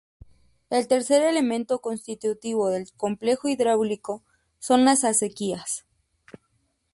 El tercer elemento constitutivo del complejo hidráulico son las acequias.